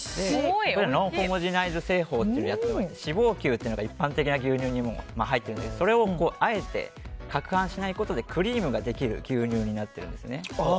ノンホモジナイズ製法というのをやってまして脂肪球というのが一般的な牛乳に入っているんですがそれをあえてかくはんしないことでクリームができる牛乳になってるんです。